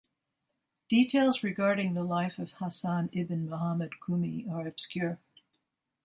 Details regarding the life of Hasan ibn Muhammad Qumi are obscure.